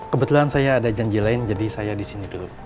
kebetulan saya ada janji lain jadi saya disini dulu